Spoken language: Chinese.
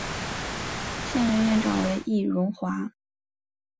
现任院长为易荣华。